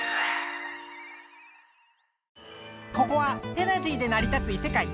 ここはエナジーでなり立ついせかい。